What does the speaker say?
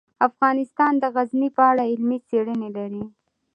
افغانستان د غزني په اړه علمي څېړنې لري.